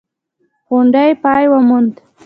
غونډې پای وموند.